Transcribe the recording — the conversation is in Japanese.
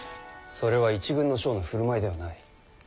それは一軍の将の振る舞いではない。